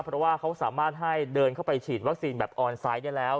เพราะว่าเขาสามารถให้เดินเข้าไปฉีดวัคซีนแบบออนไซต์ได้แล้ว